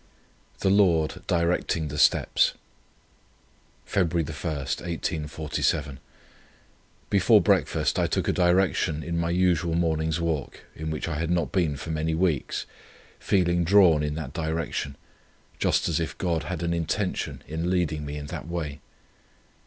THE LORD DIRECTING THE STEPS. "Feb. 1, 1847. Before breakfast I took a direction in my usual morning's walk, in which I had not been for many weeks, feeling drawn in that direction, just as if God had an intention in leading me in that way.